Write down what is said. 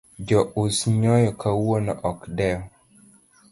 Jo us nyoyo kawuono ok dew.